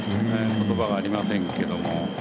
言葉がありませんけども。